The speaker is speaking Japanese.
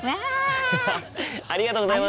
アハハありがとうございます！